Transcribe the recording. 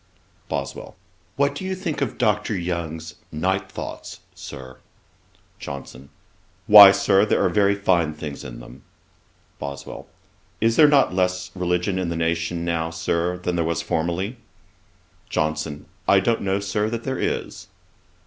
BOSWELL. 'What do you think of Dr. Young's Night Thoughts, Sir?' JOHNSON. 'Why, Sir, there are very fine things in them.' BOSWELL. 'Is there not less religion in the nation now, Sir, than there was formerly?' JOHNSON. 'I don't know, Sir, that there is.'